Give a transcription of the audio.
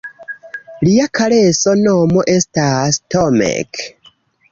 Lia karesa nomo estas Tomek!